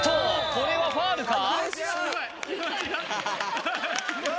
これはファウルか？